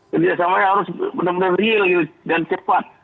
kerjasamanya harus benar benar real dan cepat